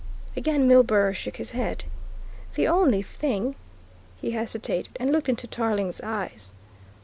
Again Milburgh shook his head. "The only thing " he hesitated and looked into Tarling's eyes.